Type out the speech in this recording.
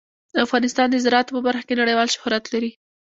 افغانستان د زراعت په برخه کې نړیوال شهرت لري.